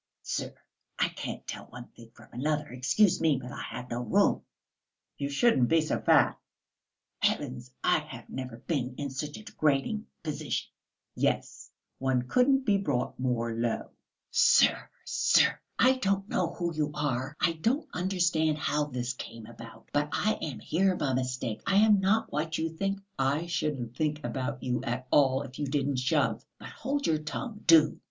"Sir, I can't tell one thing from another. Excuse me, but I have no room." "You shouldn't be so fat!" "Heavens! I have never been in such a degrading position." "Yes, one couldn't be brought more low." "Sir, sir! I don't know who you are, I don't understand how this came about; but I am here by mistake; I am not what you think...." "I shouldn't think about you at all if you didn't shove. But hold your tongue, do!"